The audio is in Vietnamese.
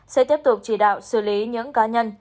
sẽ tiếp tục chỉ đạo xử lý những cá nhân